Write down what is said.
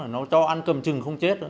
nó cho ăn cầm chừng không chết